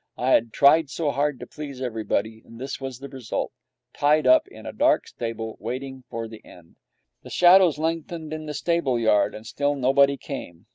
I had tried so hard to please everybody, and this was the result tied up in a dark stable, waiting for the end. The shadows lengthened in the stable yard, and still nobody came.